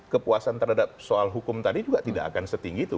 kepuasan terhadap soal hukum tadi juga tidak akan setinggi itu